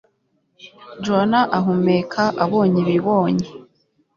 Joan ahumeka abonye ibibonye